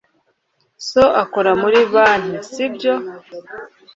So akora muri banki, sibyo?